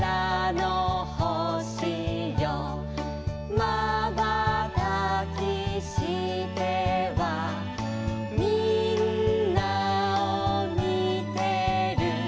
「まばたきしてはみんなをみてる」